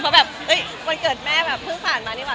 เพราะแบบวันเกิดแม่แบบเพิ่งผ่านมานี่ว่